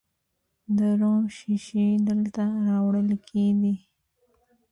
د روم شیشې دلته راوړل کیدې